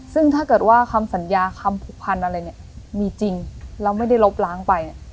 ซึ่งถ้าเกิดว่าคำสัญญาคำผูกพันอะไรเนี่ยมีจริงแล้วไม่ได้ลบล้างไป